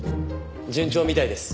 順調みたいです。